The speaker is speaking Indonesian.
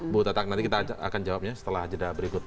bu tatak nanti kita akan jawabnya setelah jeda berikut